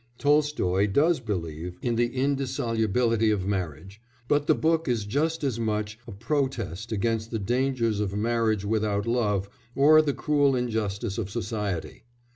Tolstoy does believe in the indissolubility of marriage, but the book is just as much a protest against the dangers of marriage without love or the cruel injustice of society.